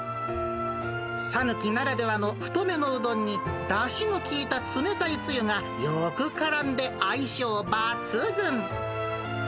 讃岐ならではの太めのうどんに、だしの効いた冷たいつゆがよくからんで、相性抜群。